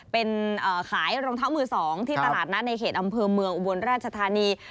เป็นขายรองเท้ามือ๒ที่ตลาดนัดในเขตอำเภอเมืองอุบลราชธานี